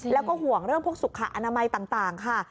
แล้วก็ห่วงเรื่องพวกสุขอนามัยต่างค่ะ